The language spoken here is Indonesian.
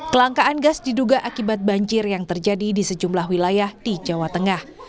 kelangkaan gas diduga akibat banjir yang terjadi di sejumlah wilayah di jawa tengah